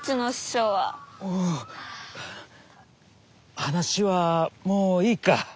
話はもういいか？